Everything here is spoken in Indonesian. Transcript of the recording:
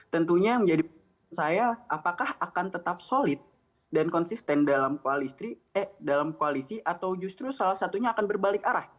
tentunya menjadi saya apakah akan tetap solid dan konsisten eh dalam koalisi atau justru salah satunya akan berbalik arah